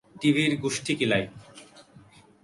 টিভির গুষ্ঠি কিলাই।